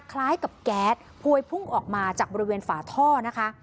คล้ายกับแก๊สพวยพุ่งออกมาจากบริเวณฝาท่อนะคะ